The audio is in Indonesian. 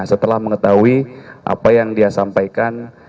setelah mengetahui apa yang dia sampaikan